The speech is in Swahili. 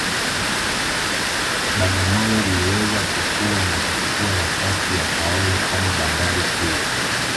Bagamoyo iliweza kukua na kuchukua nafasi ya Kaole kama bandari kuu